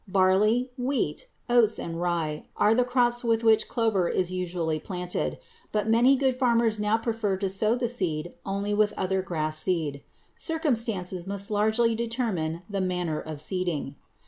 Barley, wheat, oats, and rye are the crops with which clover is usually planted, but many good farmers now prefer to sow the seed only with other grass seed. Circumstances must largely determine the manner of seeding.